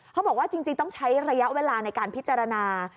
เขาบอกว่าจริงต้องใช้ระยะเวลาในการพิจารณา